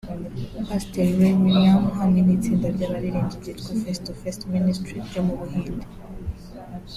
Pasiteri Ray William hamwe n’itsinda ry’abaririmbyi ryitwa “Face to Face Ministry” ryo mu Buhinde